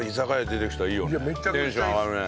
テンション上がるね。